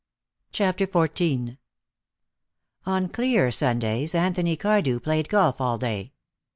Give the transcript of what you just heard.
CHAPTER XIV On clear Sundays Anthony Cardew played golf all day.